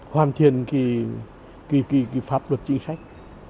hoàn thiện cái pháp luật chính sách